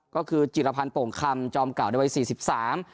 ก็คือจิรพันธ์โป่งคำจอมเก่าในวัยสี่สิบสาม